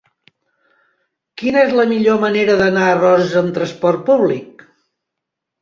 Quina és la millor manera d'anar a Roses amb trasport públic?